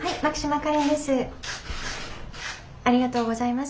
ありがとうございます。